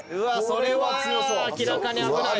それは明らかに危ない。